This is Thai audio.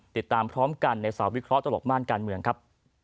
ติดตามพร้อมกันในสาววิเคราะหลบม่านการเมืองครับ